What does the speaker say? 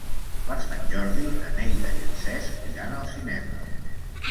Per Sant Jordi na Neida i en Cesc iran al cinema.